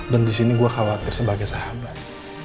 dan disini gue khawatir sebagai sahabat